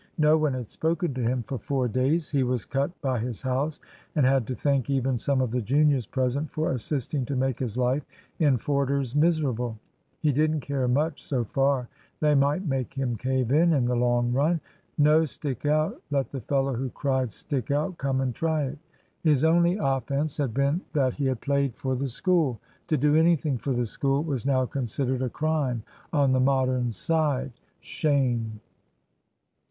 No one had spoken to him for four days. He was cut by his house, and had to thank even some of the juniors present for assisting to make his life in Forder's miserable. He didn't care much, so far. They might make him cave in, in the long run. (No! Stick out!) Let the fellow who cried "Stick out," come and try it. His only offence had been that he had played for the School. To do anything for the School was now considered a crime on the Modern side. (Shame.)